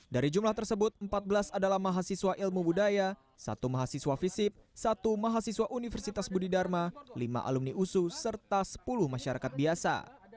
dari jumlah tersebut empat belas adalah mahasiswa ilmu budaya satu mahasiswa visip satu mahasiswa universitas budi dharma lima alumni usu serta sepuluh masyarakat biasa